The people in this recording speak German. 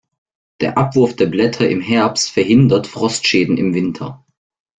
Der Abwurf der Blätter im Herbst verhindert Frostschäden im Winter.